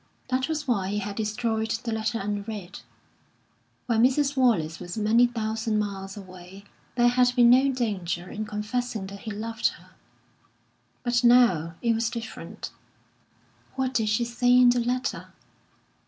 That was why he had destroyed the letter unread. When Mrs. Wallace was many thousand miles away there had been no danger in confessing that he loved her; but now it was different. What did she say in the letter?